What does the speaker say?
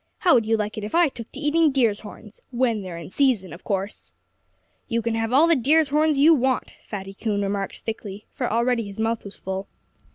How would you like it if I took to eating deer's horns when they're in season, of course?" "You can have all the deer's horns you want," Fatty Coon remarked thickly for already his mouth was full.